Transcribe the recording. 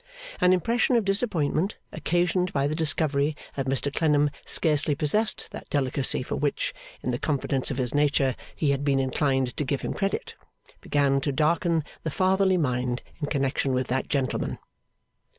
An impression of disappointment, occasioned by the discovery that Mr Clennam scarcely possessed that delicacy for which, in the confidence of his nature, he had been inclined to give him credit, began to darken the fatherly mind in connection with that gentleman.